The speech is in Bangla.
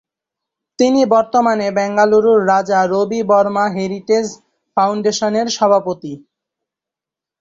তিনি বর্তমানে বেঙ্গালুরুর রাজা রবি বর্মা হেরিটেজ ফাউন্ডেশনের সভাপতি।